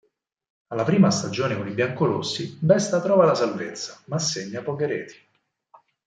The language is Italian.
Alla prima stagione con i biancorossi Besta trova la salvezza ma segna poche reti.